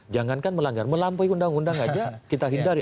jangankan melanggar melampaui undang undang saja kita hindari